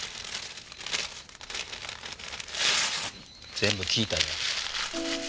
全部聞いたよ。